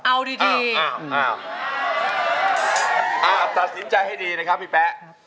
เอาดีดีอ้าวตัดสินใจให้ดีนะครับพี่แป๊ะ